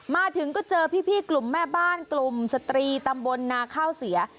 มาถึงก็เจอพี่กลุ่มแม่บ้านกลุ่มสตรีตำบลนาข้าวเสีย